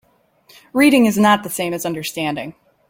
Reading is not the same as understanding.